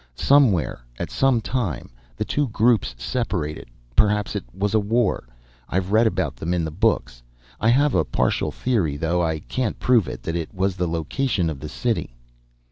Somewhere, at some time, the two groups separated. Perhaps it was a war, I've read about them in the books. I have a partial theory, though I can't prove it, that it was the location of the city."